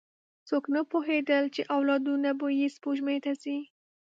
څوک نه پوهېدل، چې اولادونه به یې سپوږمۍ ته ځي.